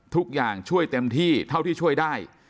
ทุกอย่างช่วยเต็มที่เท่าที่ช่วยได้